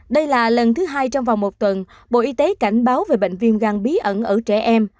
đây là lần thứ hai trong vòng một tuần bộ y tế cảnh báo về bệnh viêm gan bí ẩn ở trẻ em